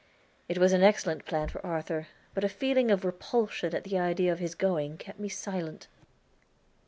It was an excellent plan for Arthur; but a feeling of repulsion at the idea of his going kept me silent.